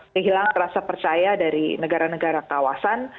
kehilangan rasa percaya dari negara negara kawasan